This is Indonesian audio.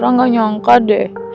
rara gak nyangka deh